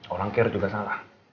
orang care juga salah